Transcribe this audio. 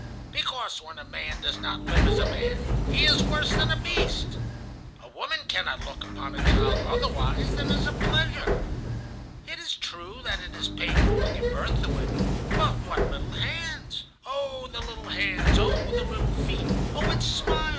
Because, when a man does not live as a man, he is worse than a beast. A woman cannot look upon a child otherwise than as a pleasure. It is true that it is painful to give birth to it, but what little hands! ... Oh, the little hands! Oh, the little feet! Oh, its smile!